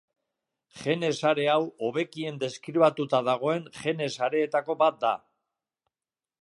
Gene-sare hau hobekien deskribatuta dagoen gene-sareetako bat da.